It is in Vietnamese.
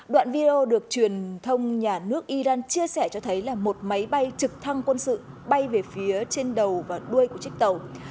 đoạn video được truyền thông nhà nước iran chia sẻ cho thấy là một máy bay trực thăng quân sự bay về phía trên đầu và đuôi của chiếc tàu